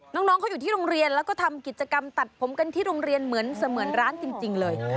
น้องเขาอยู่ที่โรงเรียนแล้วก็ทำกิจกรรมตัดผมกันที่โรงเรียนเหมือนเสมือนร้านจริงเลย